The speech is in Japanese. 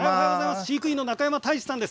飼育員の中山さんです。